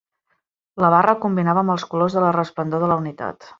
La barra combinava amb els colors de la resplendor de la unitat.